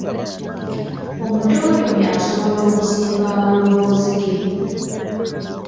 Omutontomi asobola okuzimba amaloboozi ge,